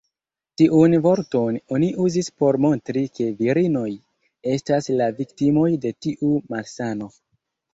Tiun vorton oni uzis por montri ke virinoj estas la viktimoj de tiu malsano.